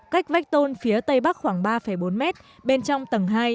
cách vách tôn phía tây bắc khoảng ba bốn mét bên trong tầng hai